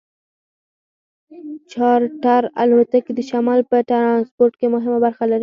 چارټر الوتکې د شمال په ټرانسپورټ کې مهمه برخه لري